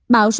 bão số chín